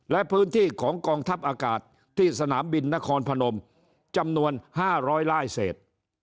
และพื้นที่ของกองทัพอากาศที่สนามบินนครพนมจำนวน๕๐๐ลายเศษ